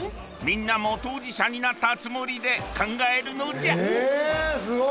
みんなも当事者になったつもりで考えるのじゃ！